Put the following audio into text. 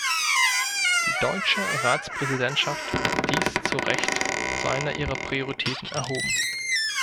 Die deutsche Ratspräsidentschaft hat dies zu Recht zu einer ihrer Prioritäten erhoben.